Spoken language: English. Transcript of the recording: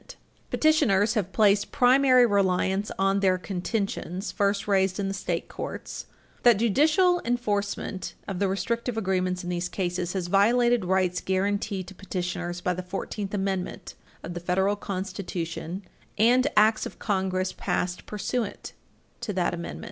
[Footnote 3] Petitioners have placed primary reliance on their contentions, first raised in the state courts, that judicial enforcement of the restrictive agreements in these cases has violated rights guaranteed to petitioners by the Fourteenth Amendment of the Federal Constitution and Acts of Congress passed pursuant to that Amendment.